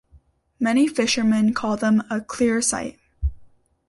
Many fishermen call them a "clear sight".